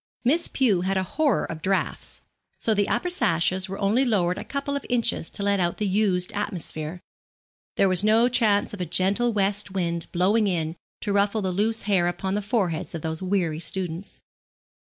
Miss Pew had a horror of draughts, so the upper sashes were only lowered a couple of inches, to let out the used atmosphere. There was no chance of a gentle west wind blowing in to ruffle the loose hair upon the foreheads of those weary students.